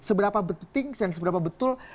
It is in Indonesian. seberapa penting dan seberapa betul